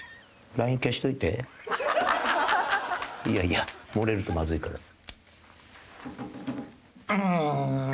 いやいや漏れるとまずいからさ。